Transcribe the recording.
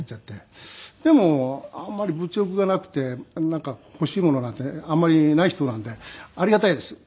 でもあんまり物欲がなくてなんか欲しいものなんてあんまりない人なんでありがたいです